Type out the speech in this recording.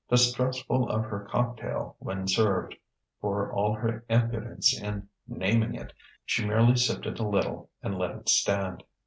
Distrustful of her cocktail, when served, for all her impudence in naming it, she merely sipped a little and let it stand.